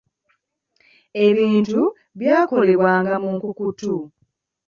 Ebintu byakolebwanga mu nkukutu.